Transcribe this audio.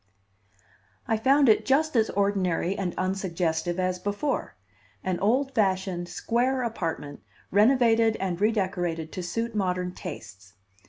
I found it just as ordinary and unsuggestive as before; an old fashioned, square apartment renovated and redecorated to suit modern tastes.